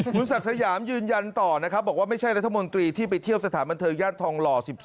คุณศักดิ์สยามยืนยันต่อนะครับบอกว่าไม่ใช่รัฐมนตรีที่ไปเที่ยวสถานบันเทิงย่านทองหล่อ๑๒